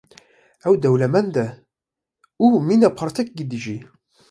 Ew dewlemend e û mîna parsekekî dijî.